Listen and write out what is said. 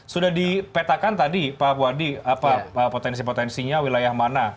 sudah dipetakan tadi pak puadi apa potensi potensinya wilayah mana